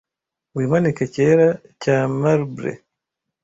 wimanike cyera cya marble